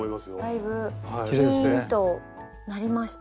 だいぶピーンとなりました。